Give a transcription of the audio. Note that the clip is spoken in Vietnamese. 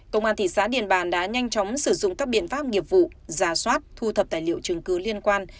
công an tỉ xá điền bản đã nhanh chóng sử dụng các biện pháp nghiệp vụ giả soát thu thập tài liệu trường cư liên quan